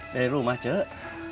dari rumah cek